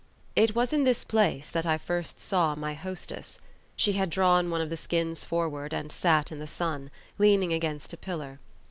It was in this place that I first saw my hostess. She had drawn one of the skins forward and sat in the sun, leaning against a pillar.